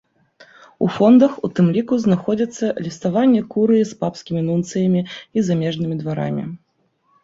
У фондах у тым ліку знаходзіцца ліставанне курыі з папскімі нунцыямі і замежнымі дварамі.